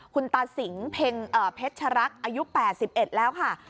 คุณตาสิงห์เพ็งเอ่อเพชรรักอายุ๘๑แล้วค่ะ